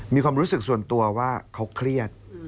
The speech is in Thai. มีความรู้สึกส่วนตัวว่าเขาเครียด